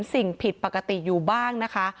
สิ่งผิดปกติอยู่บ้างนะคะ